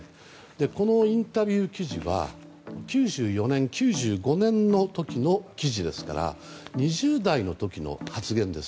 このインタビュー記事は９４年、９５年の時の記事ですから２０代の時の発言です。